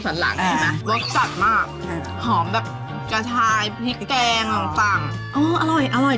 มาที่นี่